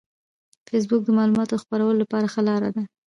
فېسبوک د معلوماتو د خپرولو لپاره ښه لار ده